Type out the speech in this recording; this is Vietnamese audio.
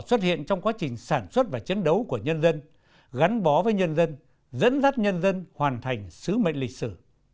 xuất hiện trong quá trình sản xuất và chiến đấu của nhân dân gắn bó với nhân dân dẫn dắt nhân dân hoàn thành sứ mệnh lịch sử